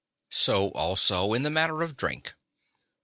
So also in the matter of drink.